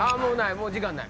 もう時間ない！